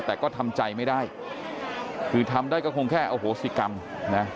แต่ก็ทำใจไม่ได้คือทำได้ก็คงแค่อโหสิกรรมนะ